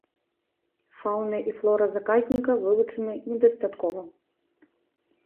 Фаўна і флора заказніка вывучаны недастаткова.